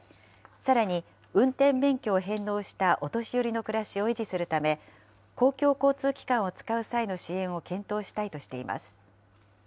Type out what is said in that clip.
さらに、運転免許を返納したお年寄りの暮らしを維持するため、公共交通機関を使う際の支援を検討したいとしています。